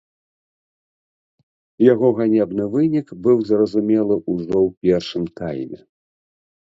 Яго ганебны вынік быў зразумелы ўжо ў першым тайме.